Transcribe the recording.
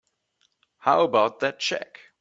How about that check?